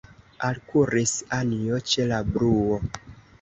Alkuris Anjo ĉe la bruo.